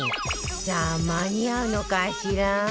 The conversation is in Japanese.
さあ間に合うのかしら？